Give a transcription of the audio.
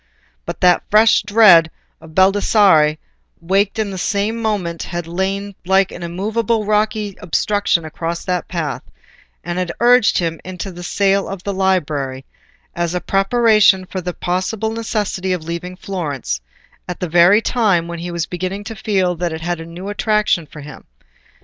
But the fresh dread of Baldassarre, waked in the same moment, had lain like an immovable rocky obstruction across that path, and had urged him into the sale of the library, as a preparation for the possible necessity of leaving Florence, at the very time when he was beginning to feel that it had a new attraction for him.